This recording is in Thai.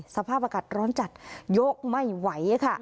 สภาพอากาศร้อนจัดยกไม่ไหวค่ะ